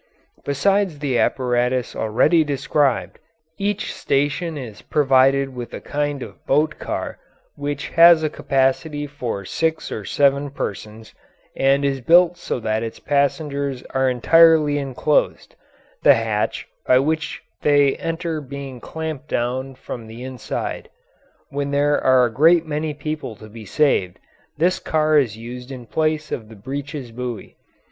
Besides the apparatus already described, each station is provided with a kind of boat car which has a capacity for six or seven persons, and is built so that its passengers are entirely enclosed, the hatch by which they enter being clamped down from the inside. When there are a great many people to be saved, this car is used in place of the breeches buoy.